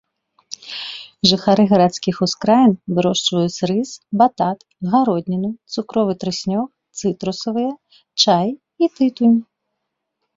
Жыхары гарадскіх ускраін вырошчваюць рыс, батат, гародніну, цукровы трыснёг, цытрусавыя, чай і тытунь.